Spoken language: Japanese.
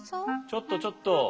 ちょっとちょっと。